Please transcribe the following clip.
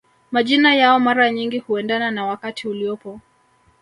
Majina yao mara nyingi huendana na wakati uliopo